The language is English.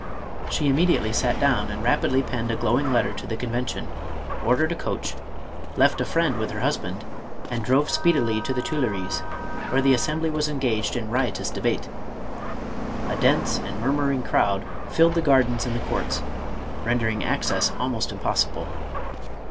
She immediately sat down and rapidly penned a glowing letter to the Con vention, ordered a coach, left a friend with her husband, and drove speedily to the Tuileries where the Assembly was engaged in riotous debate. A dense and murmur ing crowd filled the gardens and the courts, rendering access almost impossible.